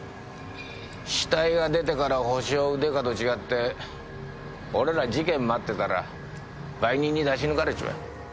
死体が出てからホシを追うデカと違って俺ら事件待ってたら売人に出し抜かれちまう。